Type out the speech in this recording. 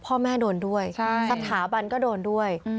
พ่อแม่โดนด้วยสถาบันก็โดนด้วย